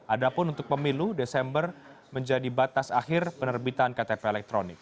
adapun untuk pemilu desember menjadi batas akhir penerbitan ktp elektronik